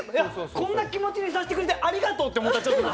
こんな気持ちにさせてくれてありがとうって思った。